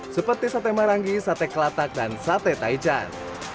seperti sate marangi sate kelatak dan sate taichan